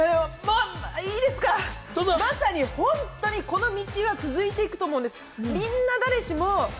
いいですか、まさに本当に、この道は続いていくと思うんです。